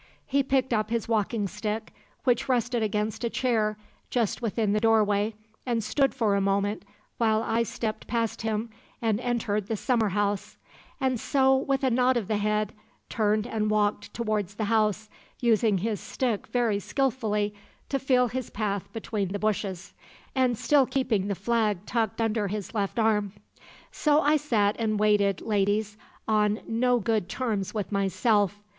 "He picked up his walking stick, which rested against a chair, just within the doorway, and stood for a moment while I stepped past him and entered the summer house; and so, with a nod of the head, turned and walked towards the house, using his stick very skilfully to feel his path between the bushes, and still keeping the flag tucked under his left arm. "So I sat and waited, ladies, on no good terms with myself.